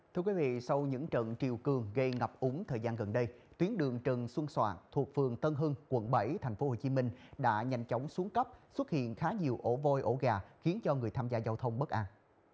thưa quý vị sau những trận triều cương gây ngập úng thời gian gần đây tuyến đường trần xuân soạn thuộc phường tân hưng quận bảy thành phố hồ chí minh đã nhanh chóng xuống cấp xuất hiện khá nhiều ổ voi ổ gà khiến cho người tham gia giao thông bất an